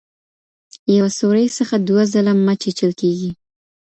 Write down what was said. یوه سوري څخه دوه ځله مه چیچل کیږئ.